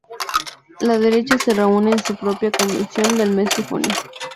La derecha se reúne en su propia convención el mes de julio.